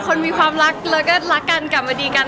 คนมีความรักแล้วก็รักกันกลับมาดีกัน